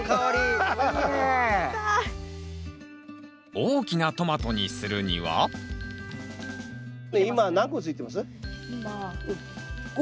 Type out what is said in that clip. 大きなトマトにするには今何個ついてます？